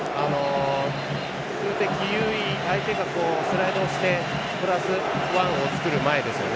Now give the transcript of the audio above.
数的優位、相手がスライドしてプラスワンを作る前ですよね。